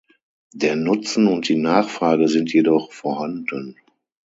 Der Nutzen und die Nachfrage sind jedoch vorhanden.